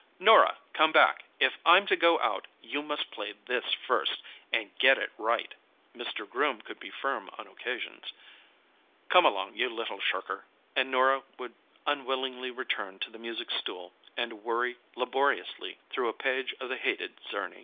"Norah, come back! If I'm to go out, you must play this first—and get it right." Mr. Groom could be firm on occasions. "Come along, you little shirker!" and Norah would unwillingly return to the music stool, and worry laboriously though a page of the hated Czerny.